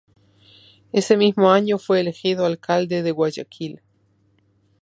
Ese mismo año fue elegido Alcalde de Guayaquil.